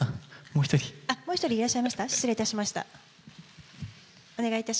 もう一人いらっしゃいました？